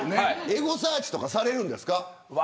エゴサーチとかされるんですか。